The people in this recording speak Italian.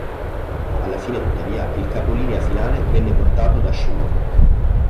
Alla fine tuttavia il capolinea finale venne portato ad Hashimoto.